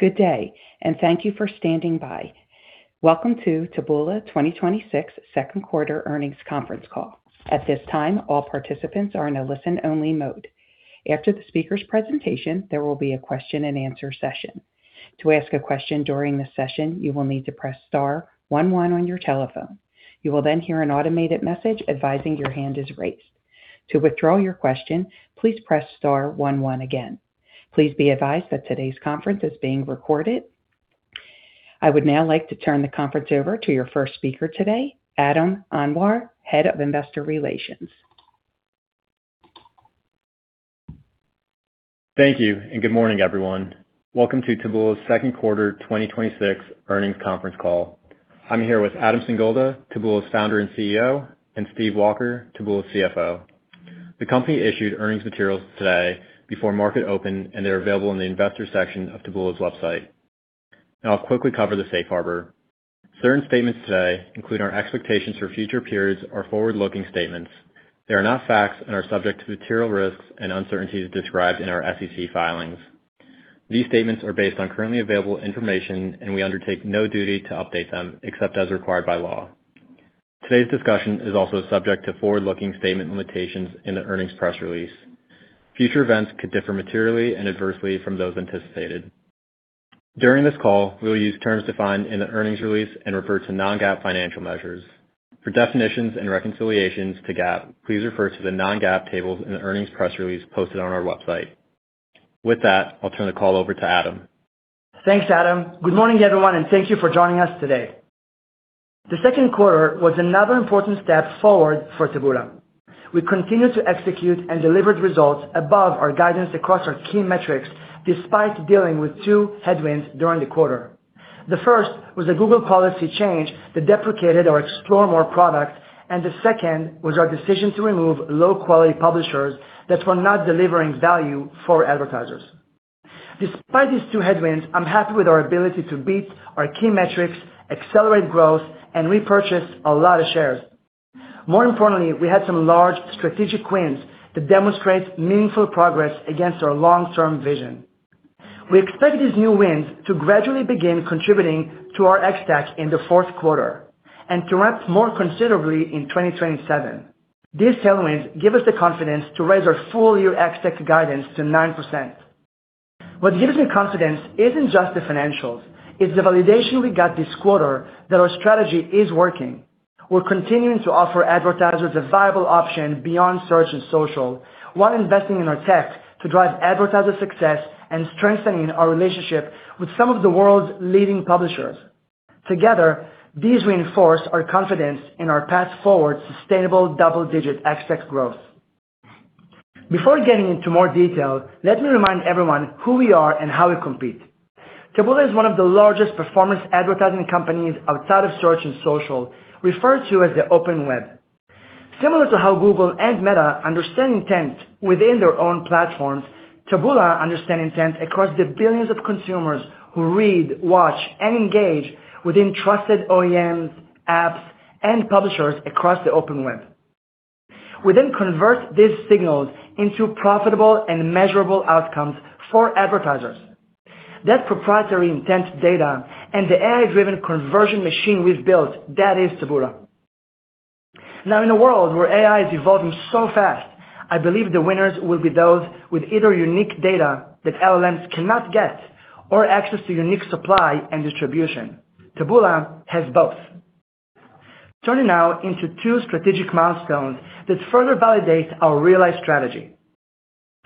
Good day. Thank you for standing by. Welcome to Taboola 2026 second quarter earnings conference call. At this time, all participants are in a listen-only mode. After the speaker's presentation, there will be a question-and-answer session. To ask a question during the session, you will need to press star one one on your telephone. You will hear an automated message advising your hand is raised. To withdraw your question, please press star one one again. Please be advised that today's conference is being recorded. I would now like to turn the conference over to your first speaker today, Aadam Anwar, Head of Investor Relations. Thank you. Good morning, everyone. Welcome to Taboola's second quarter 2026 earnings conference call. I'm here with Adam Singolda, Taboola's Founder and CEO, and Steve Walker, Taboola's CFO. The company issued earnings materials today before market open. They're available in the investors section of Taboola's website. I'll quickly cover the safe harbor. Certain statements today include our expectations for future periods are Forward-Looking statements. They are not facts and are subject to material risks and uncertainties described in our SEC filings. These statements are based on currently available information. We undertake no duty to update them except as required by law. Today's discussion is also subject to Forward-Looking statement limitations in the earnings press release. Future events could differ materially and adversely from those anticipated. During this call, we'll use terms defined in the earnings release and refer to non-GAAP financial measures. For definitions and reconciliations to GAAP, please refer to the non-GAAP tables in the earnings press release posted on our website. With that, I'll turn the call over to Adam. Thanks, Adam. Good morning, everyone. Thank you for joining us today. The second quarter was another important step forward for Taboola. We continued to execute and delivered results above our guidance across our key metrics despite dealing with two headwinds during the quarter. The first was a Google policy change that deprecated our Explore More product. The second was our decision to remove low-quality publishers that were not delivering value for advertisers. Despite these two headwinds, I'm happy with our ability to beat our key metrics, accelerate growth, and repurchase a lot of shares. More importantly, we had some large strategic wins that demonstrate meaningful progress against our long-term vision. We expect these new wins to gradually begin contributing to our ex-TAC in the fourth quarter and to ramp more considerably in 2027. These tailwinds give us the confidence to raise our full-year ex-TAC guidance to 9%. What gives me confidence isn't just the financials. It's the validation we got this quarter that our strategy is working. We're continuing to offer advertisers a viable option beyond search and social while investing in our tech to drive advertiser success and strengthening our relationship with some of the world's leading publishers. Together, these reinforce our confidence in our path forward sustainable double-digit ex-TAC growth. Before getting into more detail, let me remind everyone who we are and how we compete. Taboola is one of the largest performance advertising companies outside of search and social, referred to as the open web. Similar to how Google and Meta understand intent within their own platforms, Taboola understand intent across the billions of consumers who read, watch, and engage within trusted OEMs, apps, and publishers across the open web. We then convert these signals into profitable and measurable outcomes for advertisers. That proprietary intent data and the AI-driven conversion machine we've built, that is Taboola. In a world where AI is evolving so fast, I believe the winners will be those with either unique data that LLMs cannot get or access to unique supply and distribution. Taboola has both. Turning now into two strategic milestones that further validate our Realize strategy.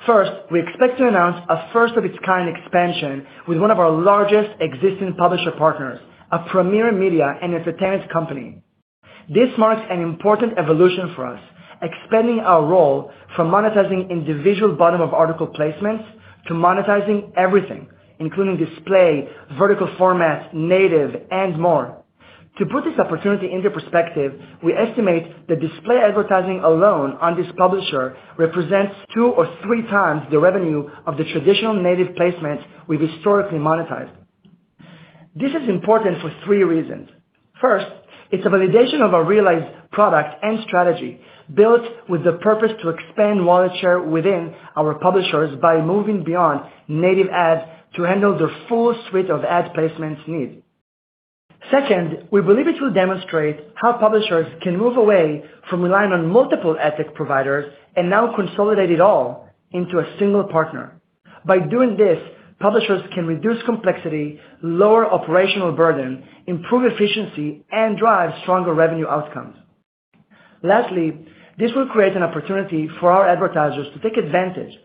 First, we expect to announce a first-of-its-kind expansion with one of our largest existing publisher partners, a premier media and entertainment company. This marks an important evolution for us, expanding our role from monetizing individual bottom-of-article placements to monetizing everything, including display, vertical formats, native, and more. To put this opportunity into perspective, we estimate that display advertising alone on this publisher represents two or three times the revenue of the traditional native placements we've historically monetized. This is important for three reasons. First, it's a validation of our Realize product and strategy built with the purpose to expand wallet share within our publishers by moving beyond native ads to handle their full suite of ad placements need. Second, we believe it will demonstrate how publishers can move away from relying on multiple ad tech providers and now consolidate it all into a single partner. By doing this, publishers can reduce complexity, lower operational burden, improve efficiency, and drive stronger revenue outcomes. Lastly, this will create an opportunity for our advertisers to take advantage of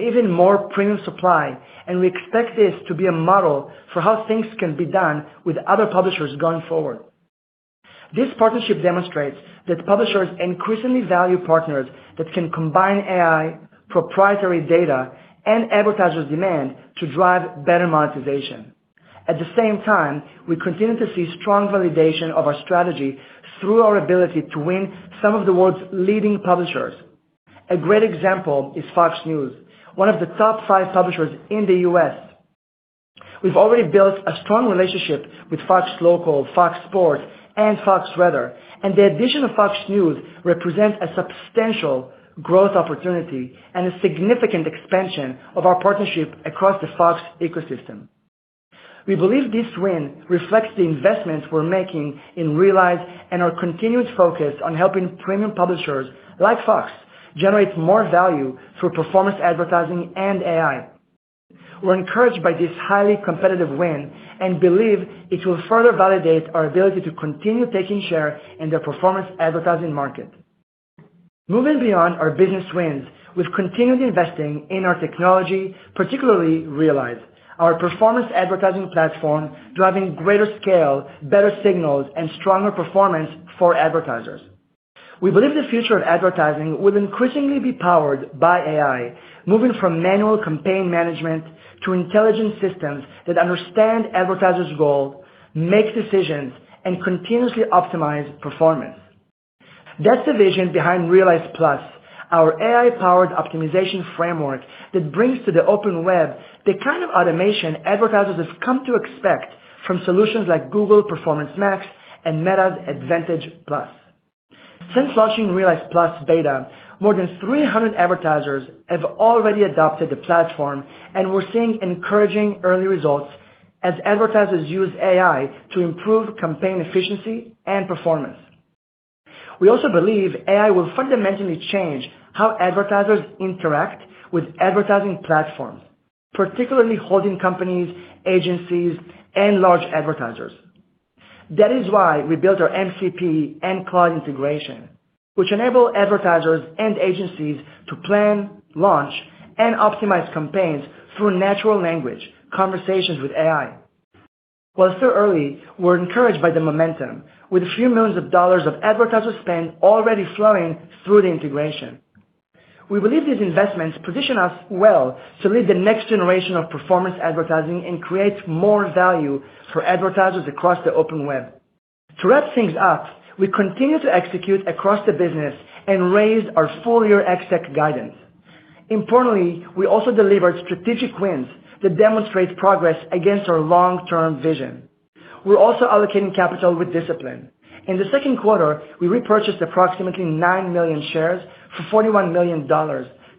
even more premium supply. We expect this to be a model for how things can be done with other publishers going forward. This partnership demonstrates that publishers increasingly value partners that can combine AI, proprietary data, and advertiser demand to drive better monetization. At the same time, we continue to see strong validation of our strategy through our ability to win some of the world's leading publishers. A great example is Fox News, one of the top five publishers in the U.S. We've already built a strong relationship with Fox Local, Fox Sports, and Fox Weather. The addition of Fox News represents a substantial growth opportunity and a significant expansion of our partnership across the Fox ecosystem. We believe this win reflects the investments we're making in Realize and our continued focus on helping premium publishers, like Fox, generate more value through performance advertising and AI. We're encouraged by this highly competitive win. We believe it will further validate our ability to continue taking share in the performance advertising market. Moving beyond our business wins, we've continued investing in our technology, particularly Realize, our performance advertising platform, driving greater scale, better signals, and stronger performance for advertisers. We believe the future of advertising will increasingly be powered by AI, moving from manual campaign management to intelligent systems that understand advertisers' goals, make decisions, and continuously optimize performance. That's the vision behind Realize+, our AI-powered optimization framework that brings to the open web the kind of automation advertisers have come to expect from solutions like Google Performance Max and Meta's Advantage+. Since launching Realize+ beta, more than 300 advertisers have already adopted the platform, and we're seeing encouraging early results as advertisers use AI to improve campaign efficiency and performance. We also believe AI will fundamentally change how advertisers interact with advertising platforms, particularly holding companies, agencies, and large advertisers. That is why we built our MCP and Claude integration, which enable advertisers and agencies to plan, launch, and optimize campaigns through natural language conversations with AI. While still early, we're encouraged by the momentum, with a few millions of dollars of advertiser spend already flowing through the integration. We believe these investments position us well to lead the next generation of performance advertising and create more value for advertisers across the open web. To wrap things up, we continue to execute across the business and raised our full-year ex-TAC guidance. Importantly, we also delivered strategic wins that demonstrate progress against our long-term vision. We're also allocating capital with discipline. In the second quarter, we repurchased approximately nine million shares for $41 million,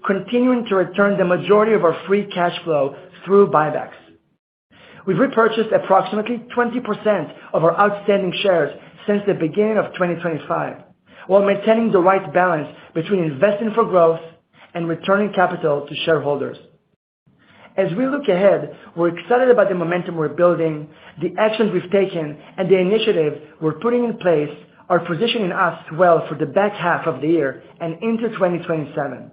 continuing to return the majority of our free cash flow through buybacks. We've repurchased approximately 20% of our outstanding shares since the beginning of 2025 while maintaining the right balance between investing for growth and returning capital to shareholders. As we look ahead, we're excited about the momentum we're building. The actions we've taken and the initiatives we're putting in place are positioning us well for the back half of the year and into 2027.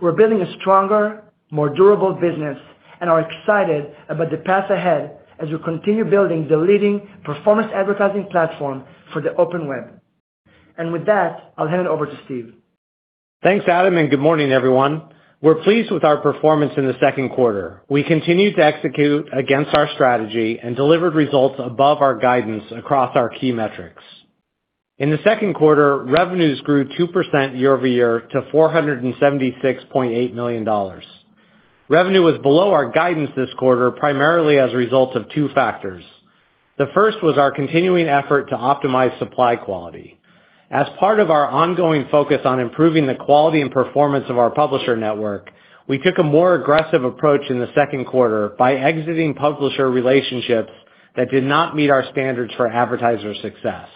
We're building a stronger, more durable business and are excited about the path ahead as we continue building the leading performance advertising platform for the open web. With that, I'll hand it over to Steve. Thanks, Adam, and good morning, everyone. We're pleased with our performance in the second quarter. We continue to execute against our strategy and delivered results above our guidance across our key metrics. In the second quarter, revenues grew 2% year-over-year to $476.8 million. Revenue was below our guidance this quarter, primarily as a result of two factors. The first was our continuing effort to optimize supply quality. As part of our ongoing focus on improving the quality and performance of our publisher network, we took a more aggressive approach in the second quarter by exiting publisher relationships that did not meet our standards for advertiser success.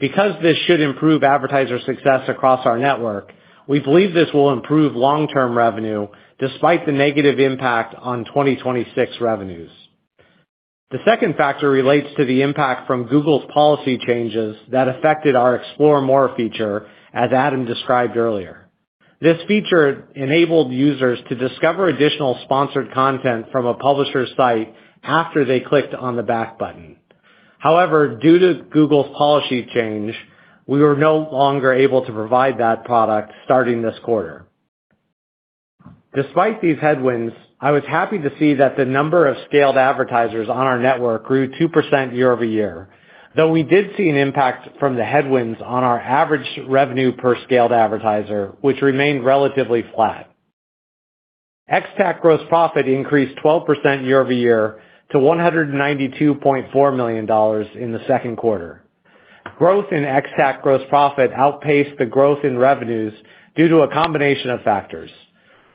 Because this should improve advertiser success across our network, we believe this will improve long-term revenue despite the negative impact on 2026 revenues. The second factor relates to the impact from Google's policy changes that affected our Explore More feature, as Adam described earlier. This feature enabled users to discover additional sponsored content from a publisher's site after they clicked on the back button. However, due to Google's policy change, we were no longer able to provide that product starting this quarter. Despite these headwinds, I was happy to see that the number of scaled advertisers on our network grew 2% year-over-year, though we did see an impact from the headwinds on our average revenue per scaled advertiser, which remained relatively flat. xTAC gross profit increased 12% year-over-year to $192.4 million in the second quarter. Growth in xTAC gross profit outpaced the growth in revenues due to a combination of factors.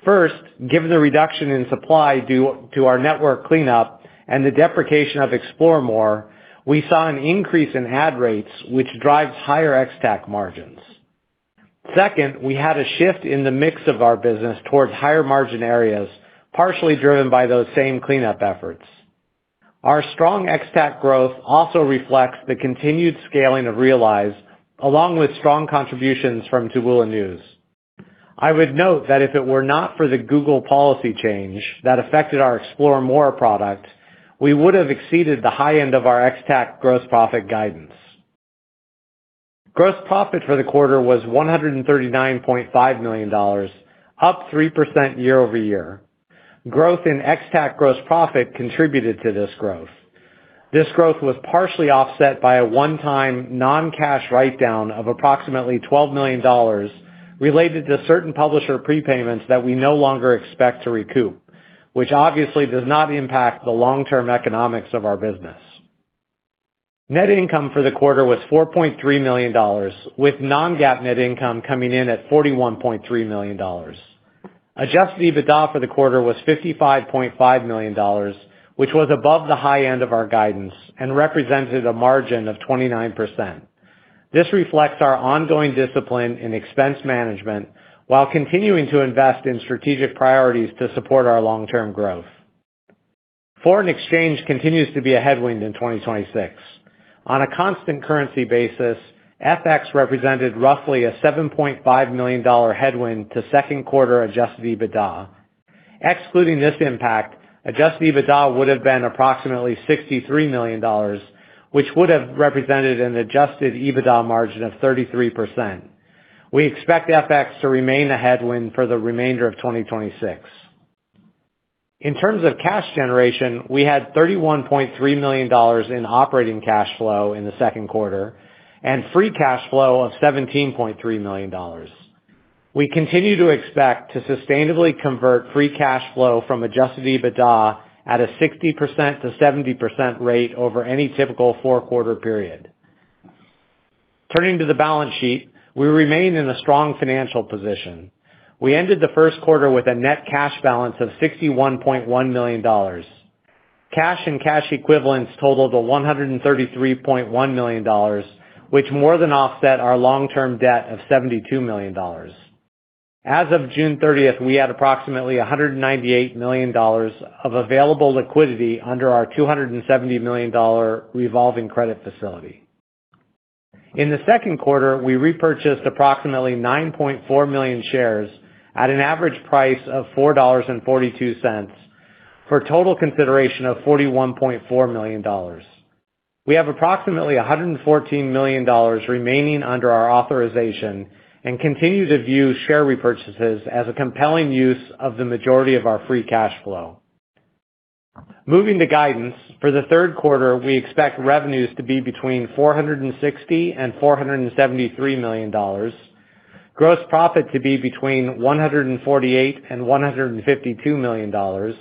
First, given the reduction in supply due to our network cleanup and the deprecation of Explore More, we saw an increase in ad rates, which drives higher xTAC margins. Second, we had a shift in the mix of our business towards higher margin areas, partially driven by those same cleanup efforts. Our strong xTAC growth also reflects the continued scaling of Realize, along with strong contributions from Taboola News. I would note that if it were not for the Google policy change that affected our Explore More product, we would have exceeded the high end of our xTAC gross profit guidance. Gross profit for the quarter was $139.5 million, up 3% year-over-year. Growth in xTAC gross profit contributed to this growth. This growth was partially offset by a one-time non-cash write down of approximately $12 million related to certain publisher prepayments that we no longer expect to recoup, which obviously does not impact the long-term economics of our business. Net income for the quarter was $4.3 million, with non-GAAP net income coming in at $41.3 million. Adjusted EBITDA for the quarter was $55.5 million, which was above the high end of our guidance and represented a margin of 29%. This reflects our ongoing discipline in expense management while continuing to invest in strategic priorities to support our long-term growth. Foreign exchange continues to be a headwind in 2026. On a constant currency basis, FX represented roughly a $7.5 million headwind to second quarter adjusted EBITDA. Excluding this impact, adjusted EBITDA would have been approximately $63 million, which would have represented an adjusted EBITDA margin of 33%. We expect FX to remain a headwind for the remainder of 2026. In terms of cash generation, we had $31.3 million in operating cash flow in the second quarter and free cash flow of $17.3 million. We continue to expect to sustainably convert free cash flow from adjusted EBITDA at a 60%-70% rate over any typical four-quarter period. Turning to the balance sheet, we remain in a strong financial position. We ended the first quarter with a net cash balance of $61.1 million. Cash and cash equivalents totaled $133.1 million, which more than offset our long-term debt of $72 million. As of June 30th, we had approximately $198 million of available liquidity under our $270 million revolving credit facility. In the second quarter, we repurchased approximately 9.4 million shares at an average price of $4.42, for a total consideration of $41.4 million. We have approximately $114 million remaining under our authorization and continue to view share repurchases as a compelling use of the majority of our free cash flow. Moving to guidance. For the third quarter, we expect revenues to be between $460 million and $473 million, gross profit to be between $148 million and $152 million,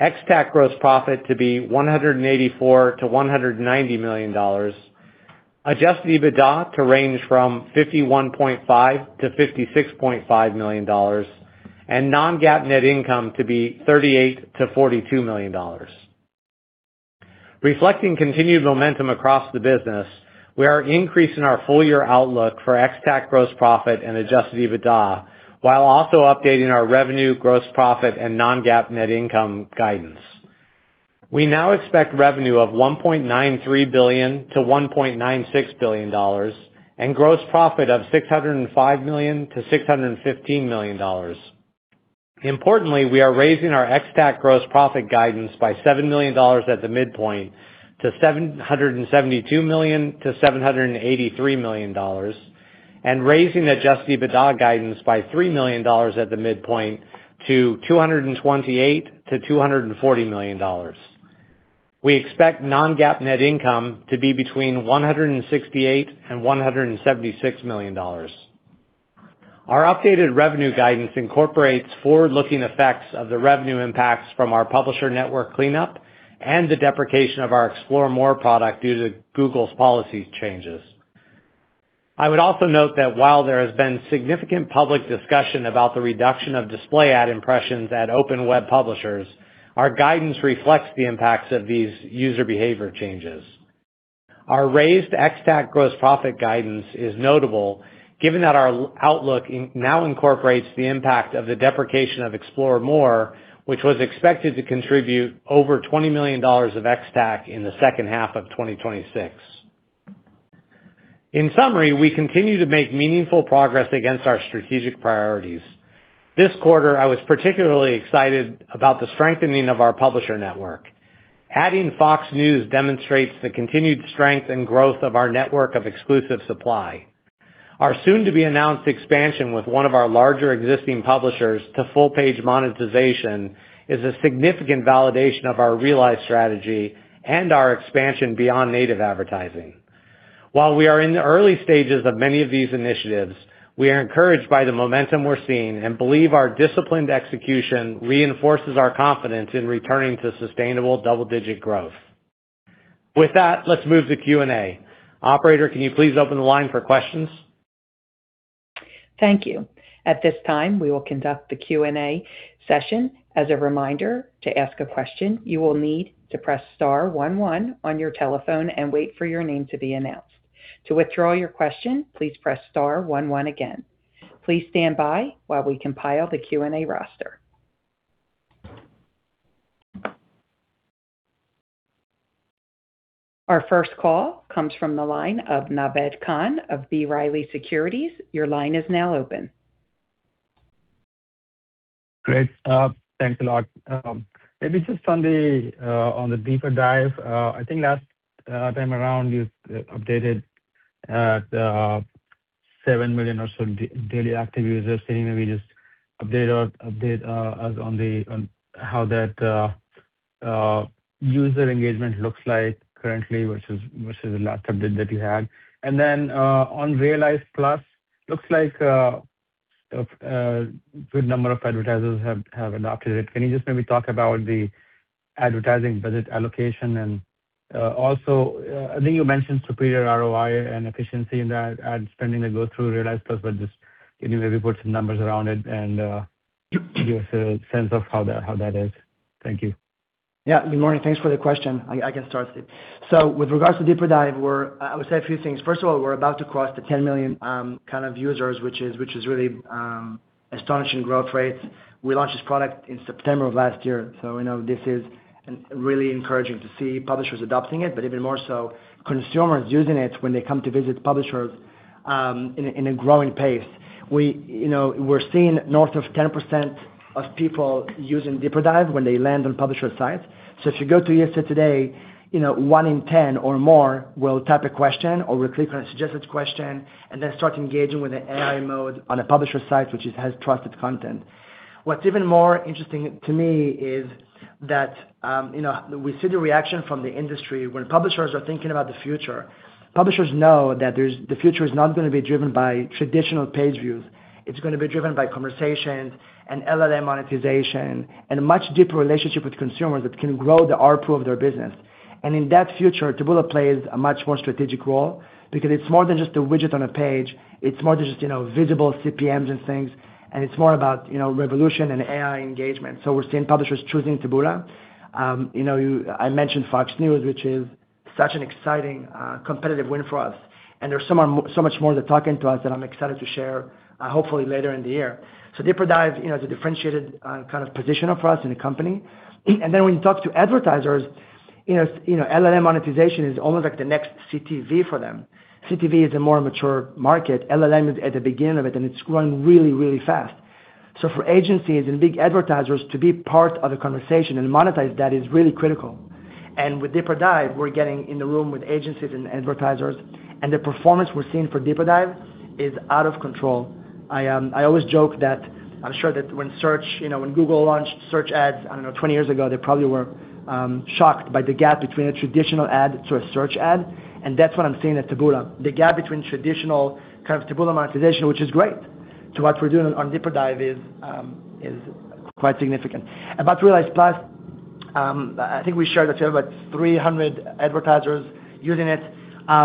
ex-TAC gross profit to be $184 million-$190 million, adjusted EBITDA to range from $51.5 million-$56.5 million, and non-GAAP net income to be $38 million-$42 million. Reflecting continued momentum across the business, we are increasing our full-year outlook for ex-TAC gross profit and adjusted EBITDA while also updating our revenue, gross profit, and non-GAAP net income guidance. We now expect revenue of $1.93 billion-$1.96 billion and gross profit of $605 million-$615 million. Importantly, we are raising our ex-TAC gross profit guidance by $7 million at the midpoint to $772 million-$783 million, and raising adjusted EBITDA guidance by $3 million at the midpoint to $228 million-$240 million. We expect non-GAAP net income to be between $168 million and $176 million. Our updated revenue guidance incorporates Forward-Looking effects of the revenue impacts from our publisher network cleanup and the deprecation of our Explore More product due to Google's policy changes. I would also note that while there has been significant public discussion about the reduction of display ad impressions at open web publishers, our guidance reflects the impacts of these user behavior changes. Our raised ex-TAC gross profit guidance is notable given that our outlook now incorporates the impact of the deprecation of Explore More, which was expected to contribute over $20 million of ex-TAC in the second half of 2026. In summary, we continue to make meaningful progress against our strategic priorities. This quarter, I was particularly excited about the strengthening of our publisher network. Adding Fox News demonstrates the continued strength and growth of our network of exclusive supply. Our soon-to-be-announced expansion with one of our larger existing publishers to full-page monetization is a significant validation of our Realize strategy and our expansion beyond native advertising. While we are in the early stages of many of these initiatives, we are encouraged by the momentum we're seeing and believe our disciplined execution reinforces our confidence in returning to sustainable double-digit growth. With that, let's move to Q&A. Operator, can you please open the line for questions? Thank you. At this time, we will conduct the Q&A session. As a reminder, to ask a question, you will need to press star one one on your telephone and wait for your name to be announced. To withdraw your question, please press star one one again. Please stand by while we compile the Q&A roster. Our first call comes from the line of Naved Khan of B. Riley Securities. Your line is now open. Great. Thanks a lot. On the DeeperDive. I think last time around, you updated at 7 million or so daily active users. Can you maybe just update us on how that user engagement looks like currently versus the last update that you had? Then on Realize+, looks like a good number of advertisers have adopted it. Can you just maybe talk about the advertising budget allocation? Also, I think you mentioned superior ROI and efficiency in the ad spending that goes through Realize+, but just can you maybe put some numbers around it and give us a sense of how that is? Thank you. Good morning. Thanks for the question. I can start, Steve. With regards to DeeperDive, I would say a few things. First of all, we're about to cross the 10 million users, which is really astonishing growth rates. We launched this product in September of last year. This is really encouraging to see publishers adopting it, but even more so consumers using it when they come to visit publishers in a growing pace. We're seeing north of 10% of people using DeeperDive when they land on publisher sites. If you go to Yahoo Today, one in 10 or more will type a question or will click on a suggested question and then start engaging with an AI mode on a publisher site, which has trusted content. What's even more interesting to me is that we see the reaction from the industry when publishers are thinking about the future. Publishers know that the future is not going to be driven by traditional page views. It's going to be driven by conversations and LLM monetization and a much deeper relationship with consumers that can grow the ARPU of their business. In that future, Taboola plays a much more strategic role because it's more than just a widget on a page. It's more than just visible CPMs and things. It's more about revolution and AI engagement. We're seeing publishers choosing Taboola. I mentioned Fox News, which is such an exciting competitive win for us. There's so much more they're talking to us that I'm excited to share, hopefully later in the year. DeeperDive is a differentiated position for us in the company. When you talk to advertisers, LLM monetization is almost like the next CTV for them. CTV is a more mature market. LLM is at the beginning of it, and it's growing really, really fast. For agencies and big advertisers to be part of the conversation and monetize that is really critical. With DeeperDive, we're getting in the room with agencies and advertisers, and the performance we're seeing for DeeperDive is out of control. I always joke that I'm sure that when Google launched search ads, I don't know, 20 years ago, they probably were shocked by the gap between a traditional ad to a search ad. That's what I'm seeing at Taboola. The gap between traditional Taboola monetization, which is great, to what we're doing on DeeperDive is quite significant. About Realize+, I think we shared that we have about 300 advertisers using it,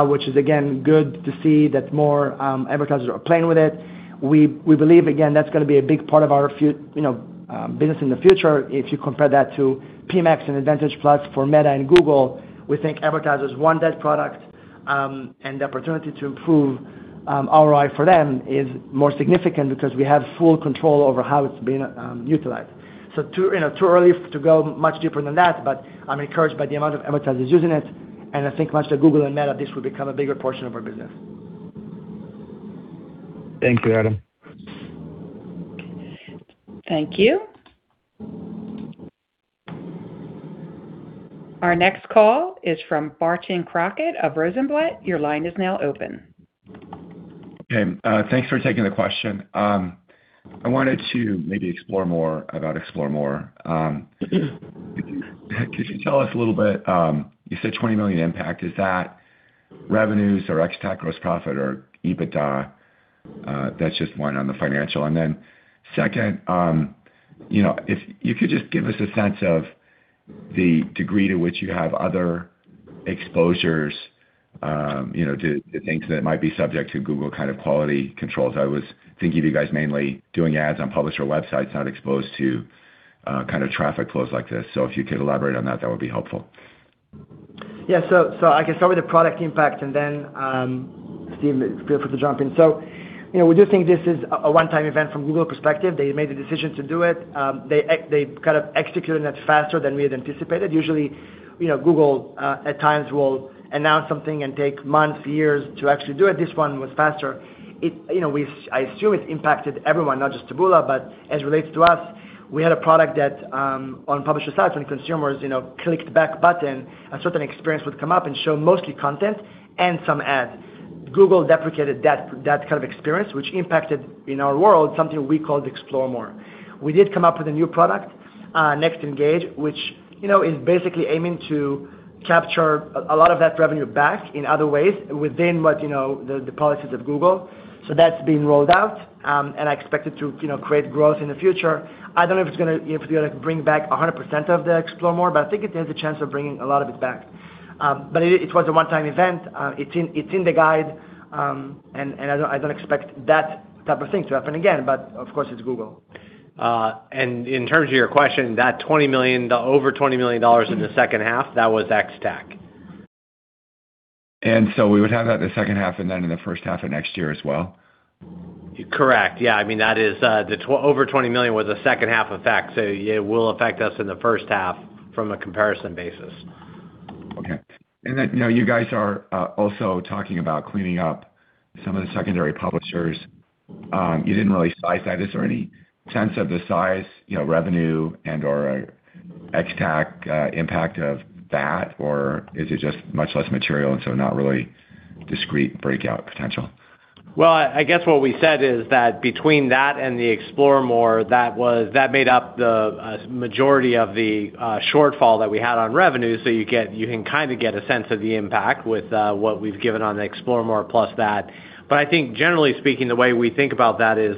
which is, again, good to see that more advertisers are playing with it. We believe, again, that is going to be a big part of our business in the future. If you compare that to PMax and Advantage+ for Meta and Google, we think advertisers want that product, and the opportunity to improve ROI for them is more significant because we have full control over how it is being utilized. Too early to go much deeper than that, but I am encouraged by the amount of advertisers using it, and I think much to Google and Meta, this will become a bigger portion of our business. Thank you, Adam. Thank you. Our next call is from Barton Crockett of Rosenblatt. Your line is now open. Thanks for taking the question. I wanted to maybe explore more about Explore More. Could you tell us a little bit, you said $20 million impact. Is that revenues or ex-TAC gross profit or EBITDA? That is just one on the financial. And then second, if you could just give us a sense of the degree to which you have other exposures to things that might be subject to Google kind of quality controls. I was thinking of you guys mainly doing ads on publisher websites, not exposed to traffic flows like this. If you could elaborate on that would be helpful. I can start with the product impact and then Steve feel free to jump in. We do think this is a one-time event from Google perspective. They made the decision to do it. They executed it faster than we had anticipated. Usually, Google at times will announce something and take months, years to actually do it. This one was faster. I assume it impacted everyone, not just Taboola, but as relates to us, we had a product that on publisher sites when consumers clicked the back button, a certain experience would come up and show mostly content and some ads. Google deprecated that kind of experience, which impacted in our world, something we called Explore More. We did come up with a new product, Next Engage, which is basically aiming to capture a lot of that revenue back in other ways within the policies of Google. That's being rolled out. I expect it to create growth in the future. I don't know if it's going to be able to bring back 100% of the Explore More, but I think it has a chance of bringing a lot of it back. It was a one-time event. It's in the guide. I don't expect that type of thing to happen again, but of course, it's Google. In terms of your question, that over $20 million in the second half, that was ex-TAC. We would have that in the second half and then in the first half of next year as well? Correct. Yeah. The over $20 million was a second half effect, so it will affect us in the first half from a comparison basis. Okay. You guys are also talking about cleaning up some of the secondary publishers. You didn't really size that. Is there any sense of the size, revenue and/or ex-TAC impact of that? Or is it just much less material not really discrete breakout potential? Well, I guess what we said is that between that and the Explore More, that made up the majority of the shortfall that we had on revenue. You can get a sense of the impact with what we've given on the Explore More plus that. I think generally speaking, the way we think about that is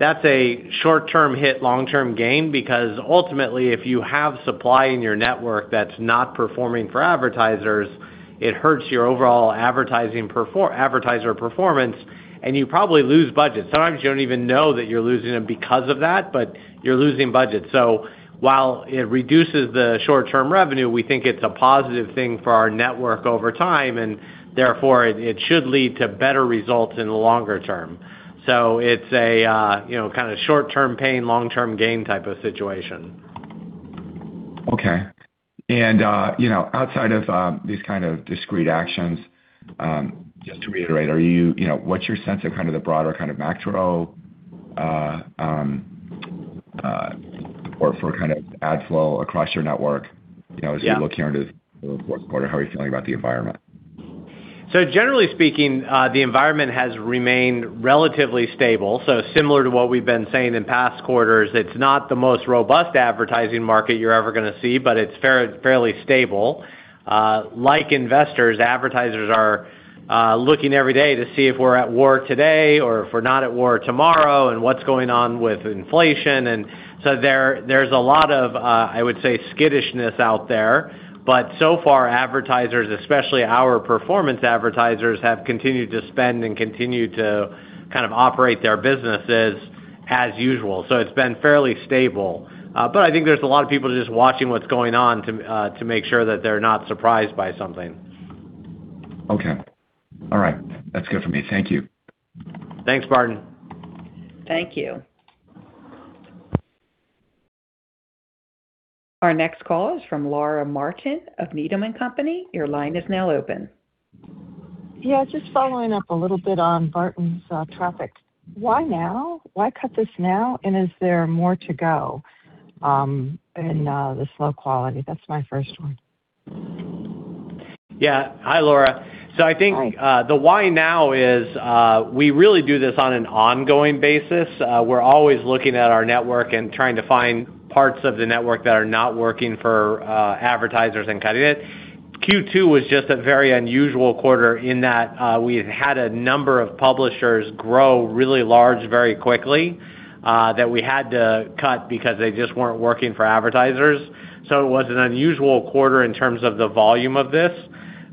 That is a short-term hit, long-term gain, because ultimately, if you have supply in your network that's not performing for advertisers, it hurts your overall advertiser performance, and you probably lose budget. Sometimes you don't even know that you're losing them because of that, but you're losing budget. While it reduces the short-term revenue, we think it's a positive thing for our network over time, and therefore, it should lead to better results in the longer term. It's a short-term pain, long-term gain type of situation. Okay. Outside of these kind of discrete actions, just to reiterate, what's your sense of the broader macro for ad flow across your network? As you look here into the fourth quarter, how are you feeling about the environment? Generally speaking, the environment has remained relatively stable. Similar to what we've been saying in past quarters, it's not the most robust advertising market you're ever going to see, but it's fairly stable. Like investors, advertisers are looking every day to see if we're at war today or if we're not at war tomorrow and what's going on with inflation. There's a lot of, I would say, skittishness out there. So far, advertisers, especially our performance advertisers, have continued to spend and continue to operate their businesses as usual. It's been fairly stable. I think there's a lot of people just watching what's going on to make sure that they're not surprised by something. Okay. All right. That's good for me. Thank you. Thanks, Barton. Thank you. Our next call is from Laura Martin of Needham & Company. Your line is now open. Yeah, just following up a little bit on Barton's traffic. Why now? Why cut this now? Is there more to go in this low quality? That's my first one. Yeah. Hi, Laura. Hi. I think, the why now is we really do this on an ongoing basis. We're always looking at our network and trying to find parts of the network that are not working for advertisers and cutting it. Q2 was just a very unusual quarter in that we had a number of publishers grow really large very quickly that we had to cut because they just weren't working for advertisers. It was an unusual quarter in terms of the volume of this.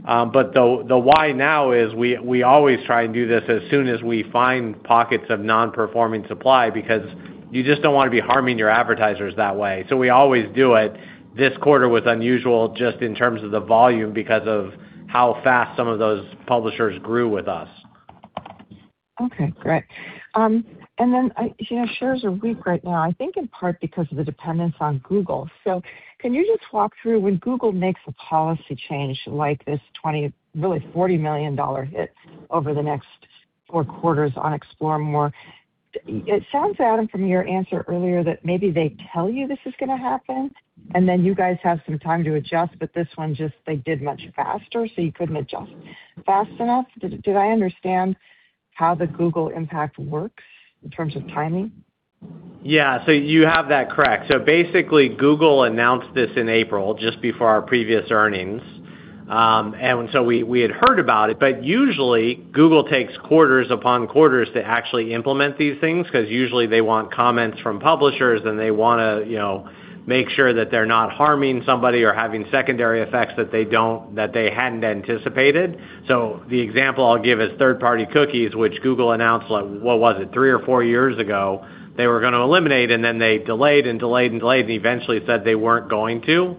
The why now is we always try and do this as soon as we find pockets of non-performing supply because you just don't want to be harming your advertisers that way. We always do it. This quarter was unusual just in terms of the volume because of how fast some of those publishers grew with us. Okay, great. Shares are weak right now, I think in part because of the dependence on Google. Can you just walk through when Google makes a policy change like this $20, really $40 million hit over the next four quarters on Explore More. It sounds, Adam, from your answer earlier that maybe they tell you this is going to happen, and you guys have some time to adjust, but this one just, they did much faster, so you couldn't adjust fast enough. Did I understand how the Google impact works in terms of timing? Yeah, you have that correct. Basically, Google announced this in April, just before our previous earnings. We had heard about it, but usually Google takes quarters upon quarters to actually implement these things because usually they want comments from publishers and they want to make sure that they're not harming somebody or having secondary effects that they hadn't anticipated. The example I'll give is third-party cookies, which Google announced, what was it? Three or four years ago, they were going to eliminate, and they delayed and delayed and delayed, and eventually said they weren't going to.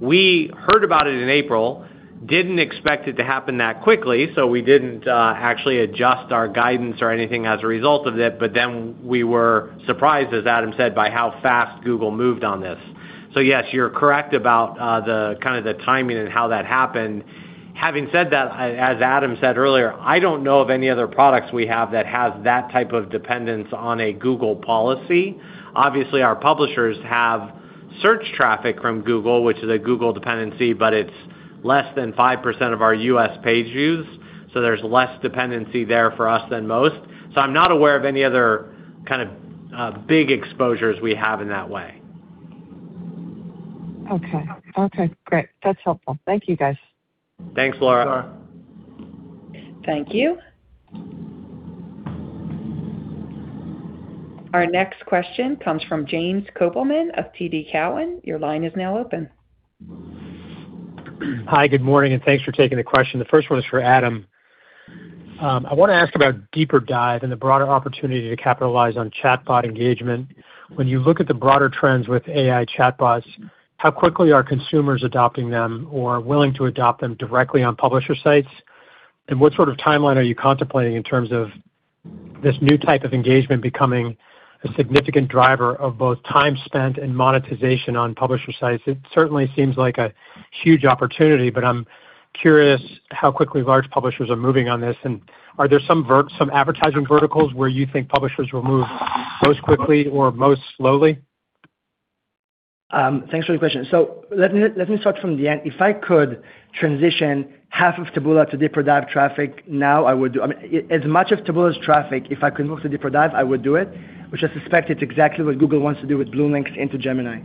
We heard about it in April, didn't expect it to happen that quickly, we didn't actually adjust our guidance or anything as a result of it. We were surprised, as Adam said, by how fast Google moved on this. Yes, you're correct about the timing and how that happened. Having said that, as Adam said earlier, I don't know of any other products we have that has that type of dependence on a Google policy. Obviously, our publishers have search traffic from Google, which is a Google dependency, but it's less than 5% of our U.S. page views, there's less dependency there for us than most. I'm not aware of any other kind of big exposures we have in that way. Okay. Great. That's helpful. Thank you, guys. Thanks, Laura. Thank you. Our next question comes from Kevin Kopelman of TD Cowen. Your line is now open. Hi, good morning, and thanks for taking the question. The first one is for Adam. I want to ask about DeeperDive and the broader opportunity to capitalize on chatbot engagement. When you look at the broader trends with AI chatbots, how quickly are consumers adopting them or willing to adopt them directly on publisher sites? What sort of timeline are you contemplating in terms of this new type of engagement becoming a significant driver of both time spent and monetization on publisher sites? It certainly seems like a huge opportunity, but I'm curious how quickly large publishers are moving on this, and are there some advertising verticals where you think publishers will move most quickly or most slowly? Thanks for the question. Let me start from the end. If I could transition half of Taboola to DeeperDive traffic now, As much of Taboola's traffic, if I could move to DeeperDive, I would do it, which I suspect it's exactly what Google wants to do with Blue Links into Gemini.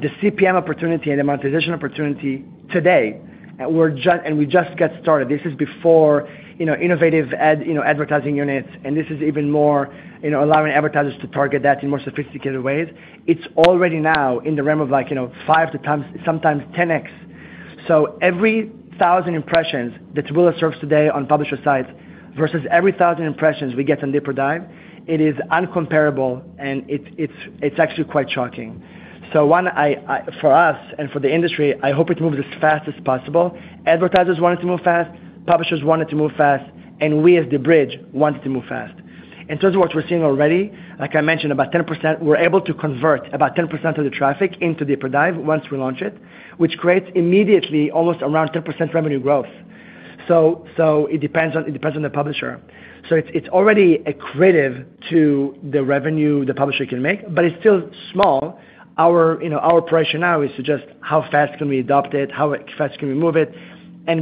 The CPM opportunity and the monetization opportunity today, and we just got started. This is before innovative advertising units, and this is even more allowing advertisers to target that in more sophisticated ways. It's already now in the realm of five to sometimes 10X. Every thousand impressions that Taboola serves today on publisher sites versus every thousand impressions we get on DeeperDive, it is incomparable and it's actually quite shocking. For us and for the industry, I hope it moves as fast as possible. Advertisers want it to move fast, publishers want it to move fast, we, as the bridge, want it to move fast. In terms of what we're seeing already, like I mentioned, we're able to convert about 10% of the traffic into DeeperDive once we launch it, which creates immediately almost around 10% revenue growth. It depends on the publisher. It's already accretive to the revenue the publisher can make, but it's still small. Our approach now is to just how fast can we adopt it, how fast can we move it?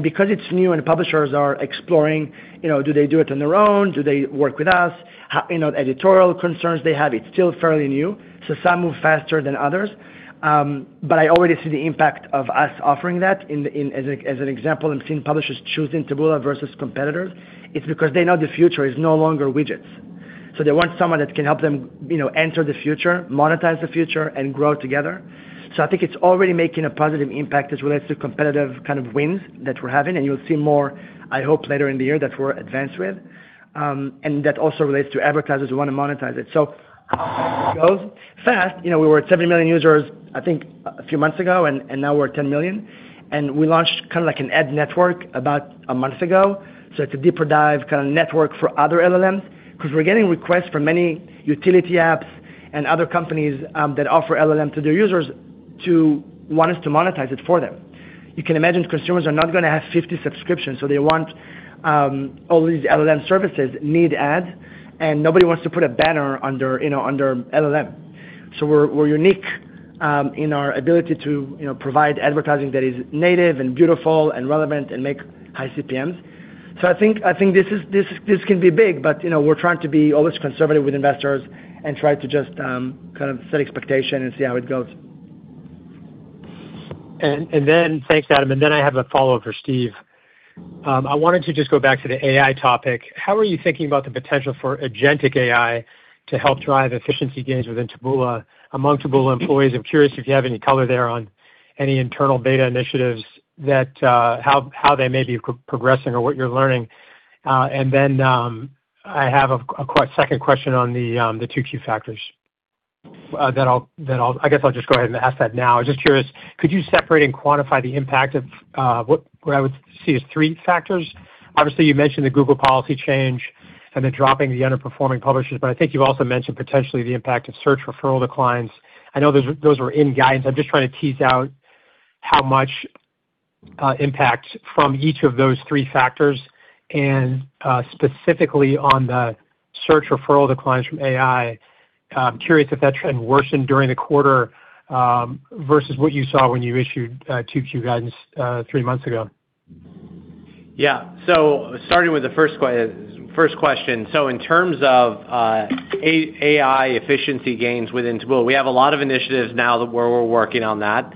Because it's new and publishers are exploring, do they do it on their own? Do they work with us? Editorial concerns they have, it's still fairly new, so some move faster than others. I already see the impact of us offering that. As an example, I'm seeing publishers choosing Taboola versus competitors. It's because they know the future is no longer widgets. They want someone that can help them enter the future, monetize the future, and grow together. I think it's already making a positive impact as it relates to competitive wins that we're having. You'll see more, I hope, later in the year that we're advanced with. That also relates to advertisers who want to monetize it. It goes fast. We were at 7 million users, I think, a few months ago, and now we're 10 million. We launched an ad network about a month ago. It's a DeeperDive network for other LLMs, because we're getting requests from many utility apps and other companies that offer LLM to their users to want us to monetize it for them. You can imagine consumers are not going to have 50 subscriptions, they want all these LLM services need ads, nobody wants to put a banner under LLM. We're unique in our ability to provide advertising that is native and beautiful and relevant and make high CPMs. I think this can be big, we're trying to be always conservative with investors and try to just set expectation and see how it goes. Thanks, Adam. Then I have a follow-up for Steve. I wanted to just go back to the AI topic. How are you thinking about the potential for agentic AI to help drive efficiency gains within Taboola among Taboola employees? I'm curious if you have any color there on any internal beta initiatives, how they may be progressing or what you're learning. Then I have a second question on the 2Q factors that I guess I'll just go ahead and ask that now. Just curious, could you separate and quantify the impact of what I would see as three factors? Obviously, you mentioned the Google policy change and the dropping of the underperforming publishers, I think you also mentioned potentially the impact of search referral declines. I know those were in guidance. I'm just trying to tease out how much impact from each of those three factors and specifically on the search referral declines from AI. I'm curious if that trend worsened during the quarter versus what you saw when you issued 2Q guidance three months ago. Yeah. Starting with the first question. In terms of AI efficiency gains within Taboola, we have a lot of initiatives now where we're working on that.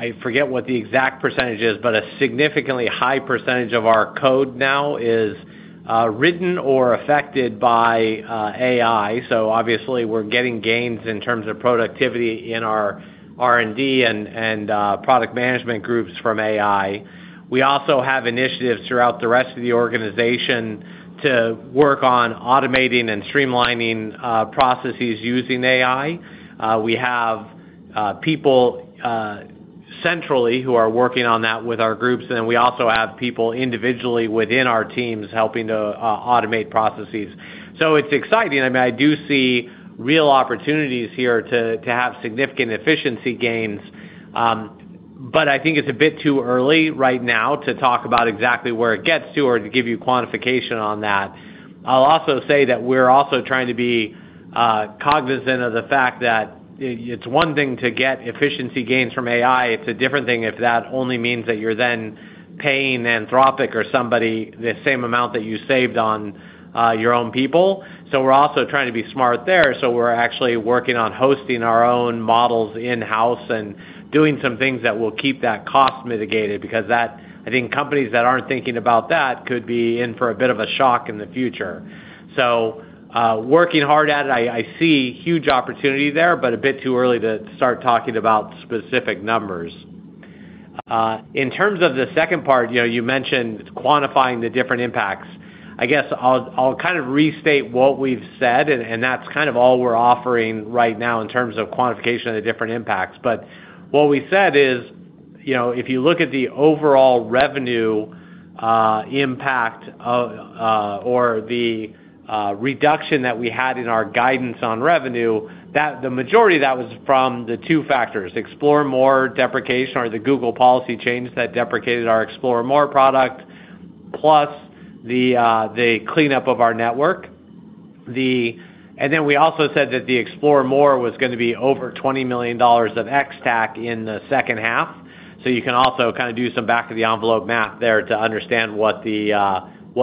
I forget what the exact percentage is, but a significantly high percentage of our code now is written or affected by AI. Obviously, we're getting gains in terms of productivity in our R&D and product management groups from AI. We also have initiatives throughout the rest of the organization to work on automating and streamlining processes using AI. We have people centrally who are working on that with our groups, and then we also have people individually within our teams helping to automate processes. It's exciting. I do see real opportunities here to have significant efficiency gains. I think it's a bit too early right now to talk about exactly where it gets to or to give you quantification on that. I'll also say that we're also trying to be cognizant of the fact that it's one thing to get efficiency gains from AI. It's a different thing if that only means that you're then paying Anthropic or somebody the same amount that you saved on your own people. We're also trying to be smart there. We're actually working on hosting our own models in-house and doing some things that will keep that cost mitigated, because I think companies that aren't thinking about that could be in for a bit of a shock in the future. Working hard at it. I see huge opportunity there, but a bit too early to start talking about specific numbers. In terms of the second part, you mentioned quantifying the different impacts. I guess I'll restate what we've said, and that's all we're offering right now in terms of quantification of the different impacts. What we said is, if you look at the overall revenue impact or the reduction that we had in our guidance on revenue, the majority of that was from the two factors, Explore More deprecation or the Google policy change that deprecated our Explore More product, plus the cleanup of our network. We also said that the Explore More was going to be over $20 million of ex-TAC in the second half. You can also do some back of the envelope math there to understand what the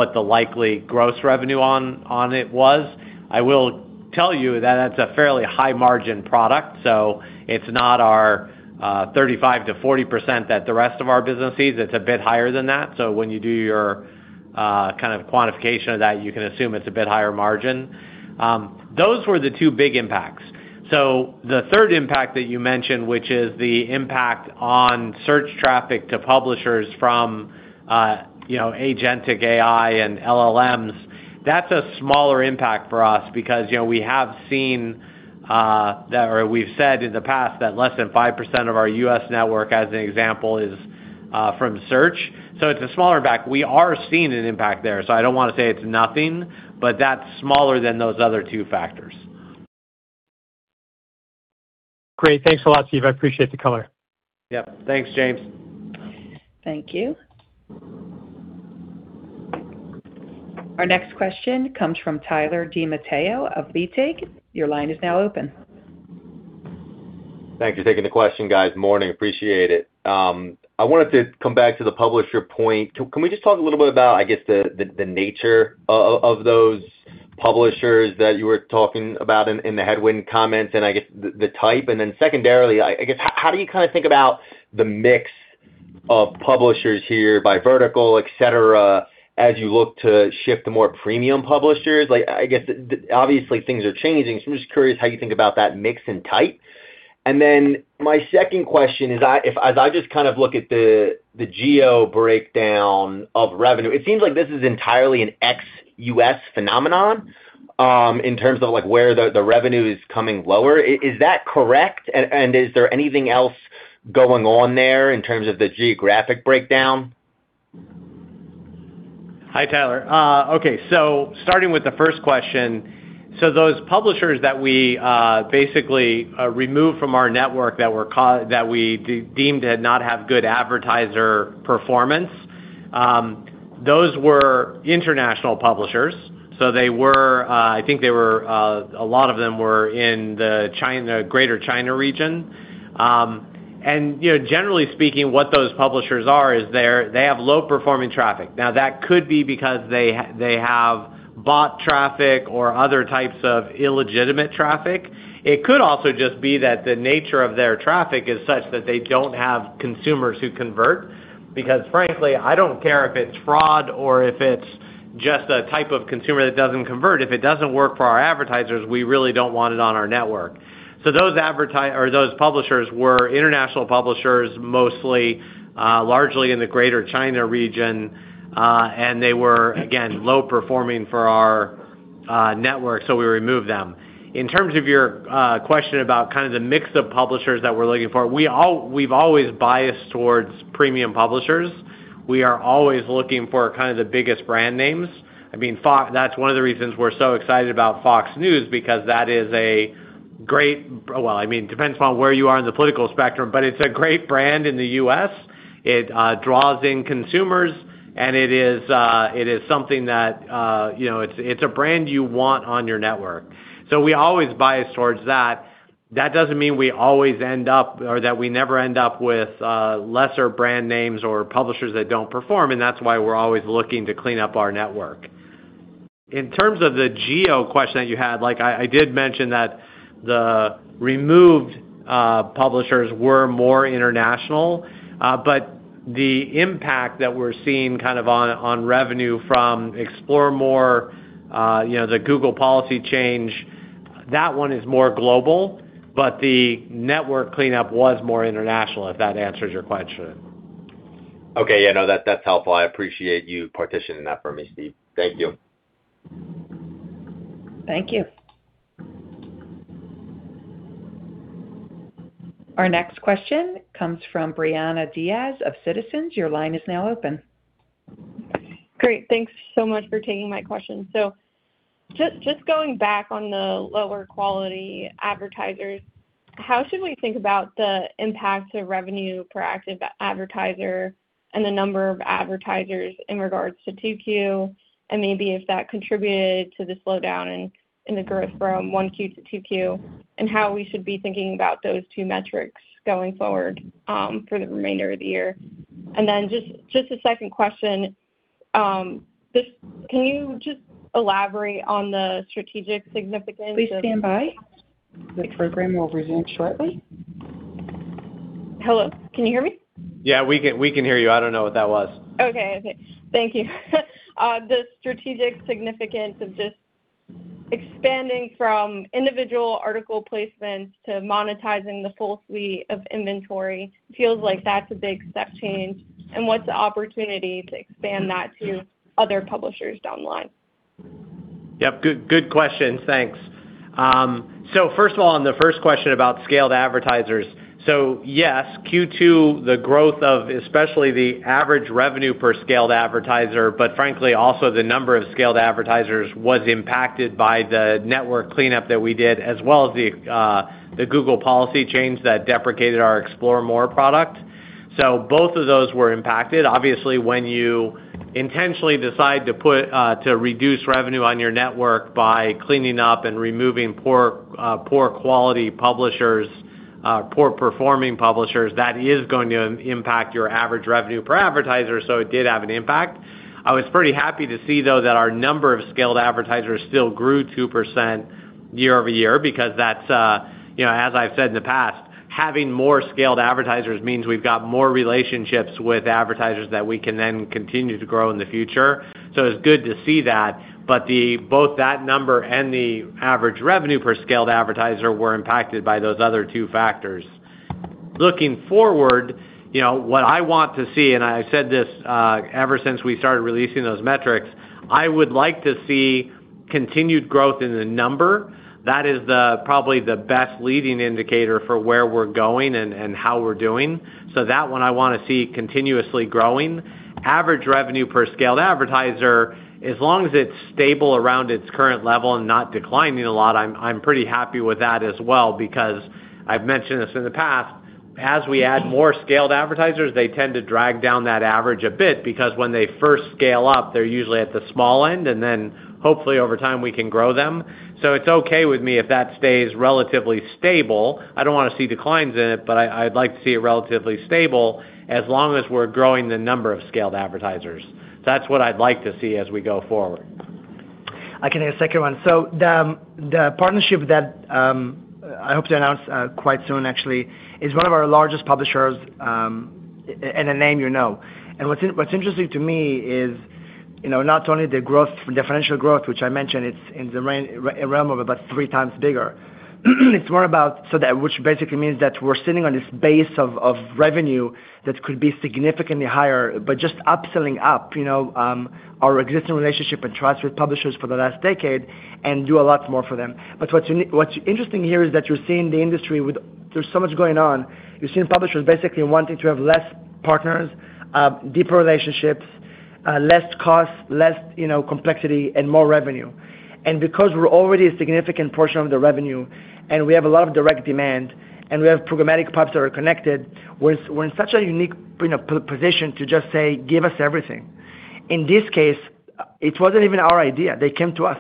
likely gross revenue on it was. Tell you that that's a fairly high-margin product, so it's not our 35%-40% that the rest of our business sees. It's a bit higher than that. When you do your quantification of that, you can assume it's a bit higher margin. Those were the two big impacts. The third impact that you mentioned, which is the impact on search traffic to publishers from agentic AI and LLMs, that's a smaller impact for us because we have seen, or we've said in the past that less than 5% of our U.S. network, as an example, is from search. It's a smaller impact. We are seeing an impact there, so I don't want to say it's nothing, but that's smaller than those other two factors. Great. Thanks a lot, Steve. I appreciate the color. Yep. Thanks, Kevin. Thank you. Our next question comes from Tyler DiMatteo of BTIG. Your line is now open. Thank you for taking the question, guys. Morning. Appreciate it. I wanted to come back to the publisher point. Can we just talk a little bit about, I guess, the nature of those publishers that you were talking about in the headwind comments, and I guess the type? Secondarily, how do you think about the mix of publishers here by vertical, et cetera, as you look to shift to more premium publishers? I guess, obviously, things are changing, so I'm just curious how you think about that mix and type. My second question is, as I just look at the geo breakdown of revenue, it seems like this is entirely an ex-U.S. phenomenon in terms of where the revenue is coming lower. Is that correct? Is there anything else going on there in terms of the geographic breakdown? Hi, Tyler. Okay. Starting with the first question. Those publishers that we basically removed from our network that we deemed did not have good advertiser performance, those were international publishers. I think a lot of them were in the Greater China region. Generally speaking, what those publishers are is they have low-performing traffic. That could be because they have bot traffic or other types of illegitimate traffic. It could also just be that the nature of their traffic is such that they don't have consumers who convert. Frankly, I don't care if it's fraud or if it's just a type of consumer that doesn't convert. If it doesn't work for our advertisers, we really don't want it on our network. Those publishers were international publishers, mostly, largely in the Greater China region. They were, again, low performing for our network, so we removed them. In terms of your question about the mix of publishers that we're looking for, we've always biased towards premium publishers. We are always looking for the biggest brand names. That's one of the reasons we're so excited about Fox News, because that is a great Well, it depends upon where you are in the political spectrum, but it's a great brand in the U.S. It draws in consumers, and it's a brand you want on your network. We always bias towards that. That doesn't mean we always end up, or that we never end up with lesser brand names or publishers that don't perform, that's why we're always looking to clean up our network. In terms of the geo question that you had, I did mention that the removed publishers were more international. The impact that we're seeing on revenue from Explore More, the Google policy change, that one is more global, the network cleanup was more international, if that answers your question. Okay. Yeah. No, that's helpful. I appreciate you partitioning that for me, Steve. Thank you. Thank you. Our next question comes from Brianna Diaz of Citizens. Your line is now open. Great. Thanks so much for taking my question. Just going back on the lower quality advertisers, how should we think about the impact to revenue per active advertiser and the number of advertisers in regards to 2Q, and maybe if that contributed to the slowdown in the growth from 1Q to 2Q, and how we should be thinking about those two metrics going forward for the remainder of the year? Just a second question. Can you just elaborate on the strategic significance of- Please stand by. The program will resume shortly. Hello? Can you hear me? Yeah, we can hear you. I don't know what that was. Okay. Thank you. The strategic significance of just expanding from individual article placements to monetizing the full suite of inventory. Feels like that's a big step change. What's the opportunity to expand that to other publishers down the line? Yep. Good questions. Thanks. First of all, on the first question about scaled advertisers. Yes, Q2, the growth of especially the average revenue per scaled advertiser, but frankly, also the number of scaled advertisers, was impacted by the network cleanup that we did, as well as the Google policy change that deprecated our Explore More product. Both of those were impacted. Obviously, when you intentionally decide to reduce revenue on your network by cleaning up and removing poor quality publishers Poor-performing publishers, that is going to impact your average revenue per advertiser, so it did have an impact. I was pretty happy to see, though, that our number of scaled advertisers still grew 2% year-over-year because, as I've said in the past, having more scaled advertisers means we've got more relationships with advertisers that we can then continue to grow in the future. It's good to see that. Both that number and the average revenue per scaled advertiser were impacted by those other two factors. Looking forward, what I want to see, and I said this ever since we started releasing those metrics, I would like to see continued growth in the number. That is probably the best leading indicator for where we're going and how we're doing. That one I want to see continuously growing. Average revenue per scaled advertiser, as long as it's stable around its current level and not declining a lot, I'm pretty happy with that as well because I've mentioned this in the past, as we add more scaled advertisers, they tend to drag down that average a bit because when they first scale up, they're usually at the small end, and then hopefully over time we can grow them. It's okay with me if that stays relatively stable. I don't want to see declines in it, but I'd like to see it relatively stable as long as we're growing the number of scaled advertisers. That's what I'd like to see as we go forward. I can add a second one. The partnership that I hope to announce quite soon actually is one of our largest publishers, and a name you know. What's interesting to me is not only the financial growth, which I mentioned, it's in the realm of about three times bigger. It's more about, which basically means that we're sitting on this base of revenue that could be significantly higher, but just upselling up our existing relationship and trusted publishers for the last decade and do a lot more for them. What's interesting here is that you're seeing the industry with there's so much going on. You're seeing publishers basically wanting to have less partners, deeper relationships, less cost, less complexity and more revenue. Because we're already a significant portion of the revenue and we have a lot of direct demand, and we have programmatic pubs that are connected, we're in such a unique position to just say, "Give us everything." In this case, it wasn't even our idea. They came to us.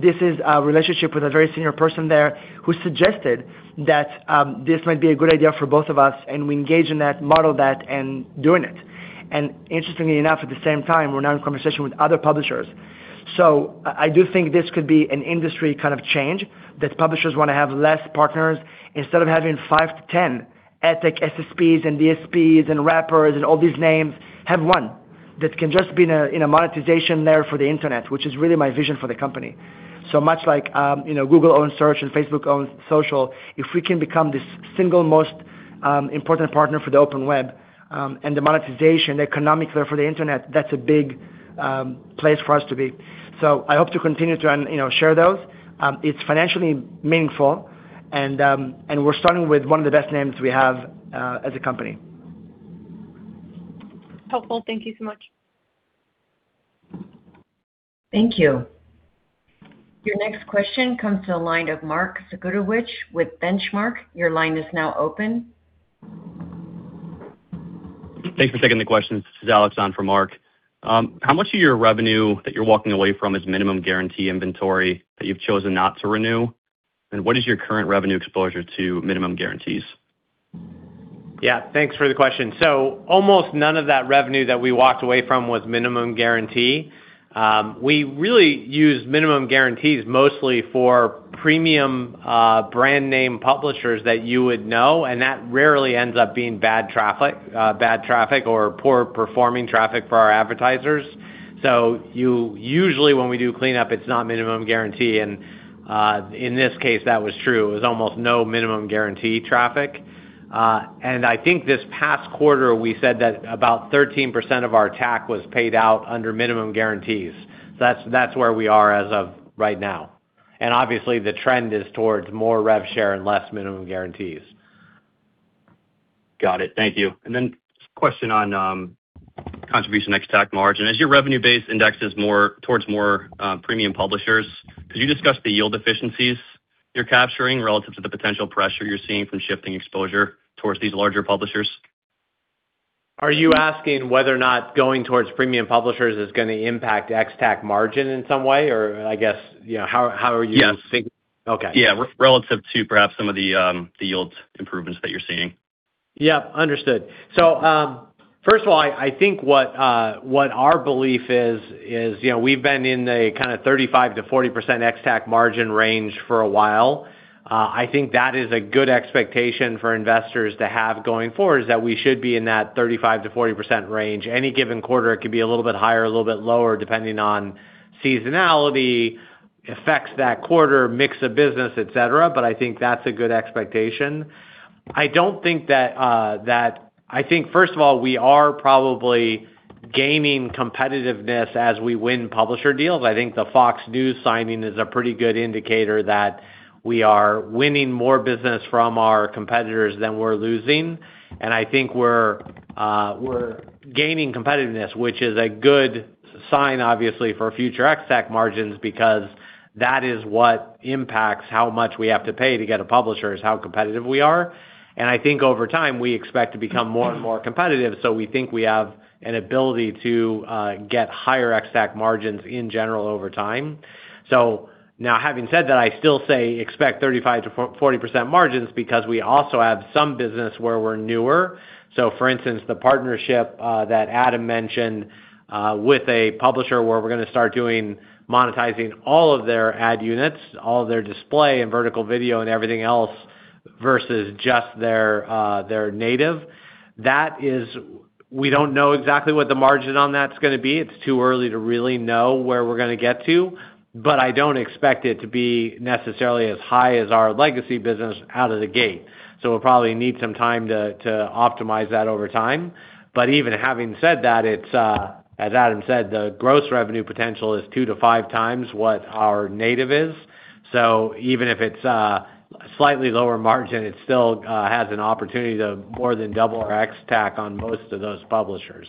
This is a relationship with a very senior person there who suggested that this might be a good idea for both of us, and we engage in that, model that and doing it. Interestingly enough, at the same time, we're now in conversation with other publishers. I do think this could be an industry kind of change, that publishers want to have less partners. Instead of having five to 10 ad tech SSPs and DSPs and wrappers and all these names, have one that can just be in a monetization layer for the internet, which is really my vision for the company. Much like Google owns search and Facebook owns social, if we can become the single most important partner for the open web and the monetization economics there for the Internet, that's a big place for us to be. I hope to continue to share those. It's financially meaningful and we're starting with one of the best names we have as a company. Helpful. Thank you so much. Thank you. Your next question comes to the line of Mark Zgutowicz with Benchmark. Your line is now open. Thanks for taking the question. This is Alex on for Mark. How much of your revenue that you're walking away from is minimum guarantee inventory that you've chosen not to renew? And what is your current revenue exposure to minimum guarantees? Yeah, thanks for the question. Almost none of that revenue that we walked away from was minimum guarantee. We really use minimum guarantees mostly for premium brand name publishers that you would know, and that rarely ends up being bad traffic or poor performing traffic for our advertisers. Usually when we do cleanup, it's not minimum guarantee. In this case, that was true. It was almost no minimum guarantee traffic. I think this past quarter, we said that about 13% of our TAC was paid out under minimum guarantees. That's where we are as of right now. Obviously the trend is towards more rev share and less minimum guarantees. Got it. Thank you. Just a question on contribution ex-TAC margin. As your revenue base indexes towards more premium publishers, could you discuss the yield efficiencies you're capturing relative to the potential pressure you're seeing from shifting exposure towards these larger publishers? Are you asking whether or not going towards premium publishers is going to impact ex-TAC margin in some way? Yes. Okay. Yeah. Relative to perhaps some of the yields improvements that you're seeing. Yep, understood. First of all, I think what our belief is, we've been in the kind of 35%-40% ex-TAC margin range for a while. I think that is a good expectation for investors to have going forward, that we should be in that 35%-40% range. Any given quarter, it could be a little bit higher, a little bit lower, depending on seasonality, effects that quarter, mix of business, et cetera. I think that's a good expectation. I think, first of all, we are probably gaining competitiveness as we win publisher deals. I think the Fox News signing is a pretty good indicator that we are winning more business from our competitors than we're losing. I think we're gaining competitiveness, which is a good sign obviously for future ex-TAC margins because that is what impacts how much we have to pay to get a publisher, is how competitive we are. I think over time, we expect to become more and more competitive. We think we have an ability to get higher ex-TAC margins in general over time. Now having said that, I still say expect 35%-40% margins because we also have some business where we're newer. For instance, the partnership that Aadam mentioned, with a publisher where we're going to start doing monetizing all of their ad units, all of their display and vertical video and everything else versus just their native. That is, we don't know exactly what the margin on that's going to be. It's too early to really know where we're going to get to, but I don't expect it to be necessarily as high as our legacy business out of the gate. We'll probably need some time to optimize that over time. Even having said that, as Aadam said, the gross revenue potential is two to five times what our native is. Even if it's a slightly lower margin, it still has an opportunity to more than double our ex-TAC on most of those publishers.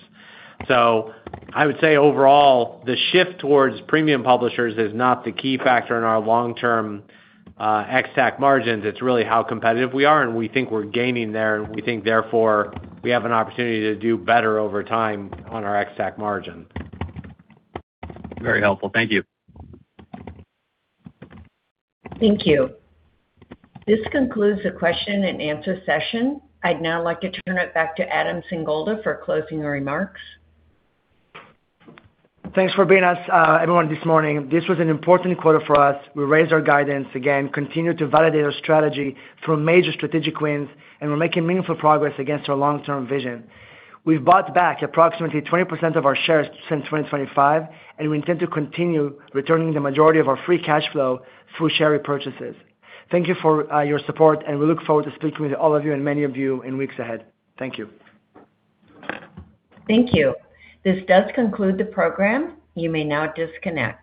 I would say overall, the shift towards premium publishers is not the key factor in our long-term ex-TAC margins. It's really how competitive we are, and we think we're gaining there, and we think therefore we have an opportunity to do better over time on our ex-TAC margin. Very helpful. Thank you. Thank you. This concludes the question-and-answer session. I'd now like to turn it back to Adam Singolda for closing remarks. Thanks for being us, everyone, this morning. This was an important quarter for us. We raised our guidance again, continued to validate our strategy through major strategic wins, and we're making meaningful progress against our long-term vision. We've bought back approximately 20% of our shares since 2025, and we intend to continue returning the majority of our free cash flow through share repurchases. Thank you for your support, and we look forward to speaking with all of you and many of you in weeks ahead. Thank you. Thank you. This does conclude the program. You may now disconnect.